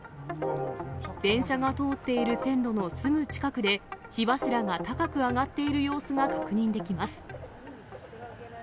電車が通っている線路のすぐ近くで、火柱が高く上がっている様子が確認できます。